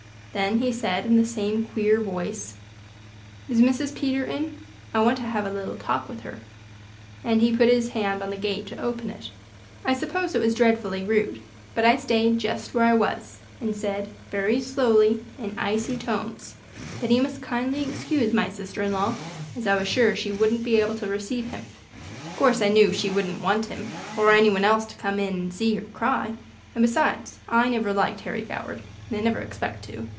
Then he said, in the same queer voice: "Is Mrs. Peter in? I wanted to have a little talk with her," and he put his hand on the gate to open it. I suppose it was dreadfully rude, but I stayed just where I was and said, very slowly, in icy tones, that he must kindly excuse my sister in law, as I was sure she wouldn't be able to receive him. Of course I knew she wouldn't want him or any one else to come in and see her cry, and besides I never liked Harry Goward and I never expect to.